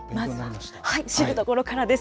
まずは知るところからです。